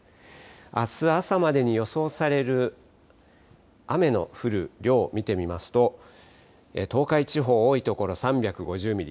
あす朝までに予想される雨の降る量、見てみますと東海地方、多い所３５０ミリ、